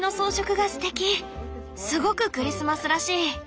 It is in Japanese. すごくクリスマスらしい！